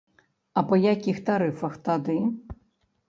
А па якіх тарыфах тады?